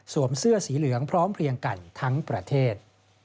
เสื้อสีเหลืองพร้อมเพลียงกันทั้งประเทศ